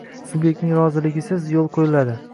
subyektning roziligisiz yo‘l qo‘yiladi.